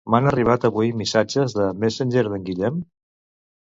M'han arribat avui missatges de Messenger d'en Guillem?